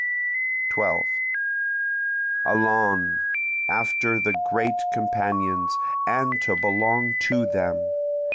12 Allons! after the great Companions, and to belong to them!